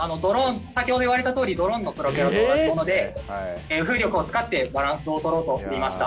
先ほど言われたとおりドローンのプロペラと同じもので風力を使ってバランスをとろうとしていました。